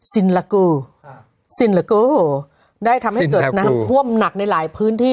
ลากูซินเหลือเกินได้ทำให้เกิดน้ำท่วมหนักในหลายพื้นที่